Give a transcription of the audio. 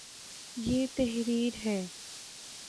یہ تحریر ہے